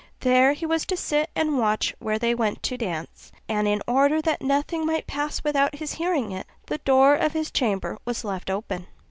There he was to sit and watch where they went to dance; and, in order that nothing might pass without his hearing it, the door of his chamber was left open.